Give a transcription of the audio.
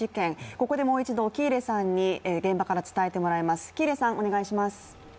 ここでもう一度喜入さんに現場から伝えてもらいます。